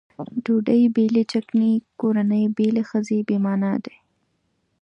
ډوډۍ بې له چکنۍ کورنۍ بې له ښځې بې معنا دي.